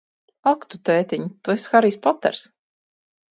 Ak, tu tētiņ, tu esi Harijs Poters!